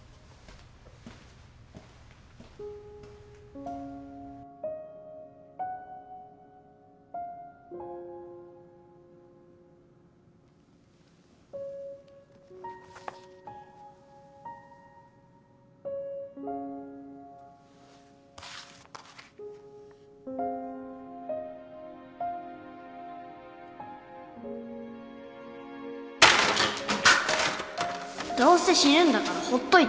どうせ死ぬんだからほっといてよ